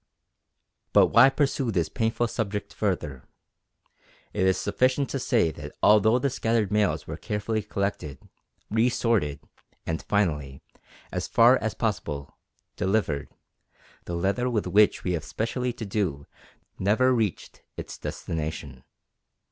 But why pursue this painful subject further? It is sufficient to say that although the scattered mails were carefully collected, re sorted, and, finally, as far as possible, delivered, the letter with which we have specially to do never reached its destination.